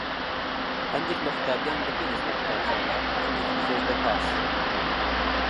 هەندێک لە قوتابیان بە پێ دەچنە قوتابخانە، هەندێکی دیکەش بە پاس.